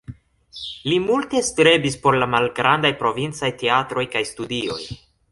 Li multe strebis por la malgrandaj provincaj teatroj kaj studioj.